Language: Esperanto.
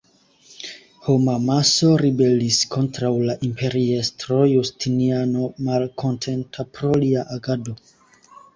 Homamaso ribelis kontraŭ la imperiestro Justiniano, malkontenta pro lia agado.